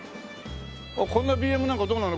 こんなＢＭなんかどうなの？